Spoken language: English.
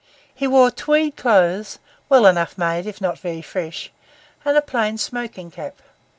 He wore tweed clothes, well enough made if not very fresh, and a plain smoking cap.